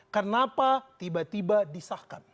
kenapa tiba tiba disahkan